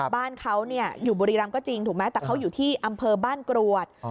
บ้านเขาอยู่บุรีรำก็จริงถูกไหมแต่เขาอยู่ที่อำเภอบ้านกรวด